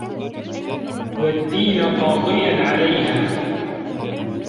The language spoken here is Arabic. وَالدِّينَ قَاضِيًا عَلَيْهَا